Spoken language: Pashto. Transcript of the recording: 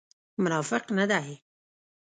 منافق نه دی.